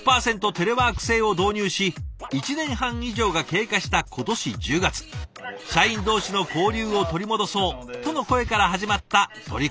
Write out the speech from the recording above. テレワーク制を導入し１年半以上が経過した今年１０月社員同士の交流を取り戻そうとの声から始まった取り組み。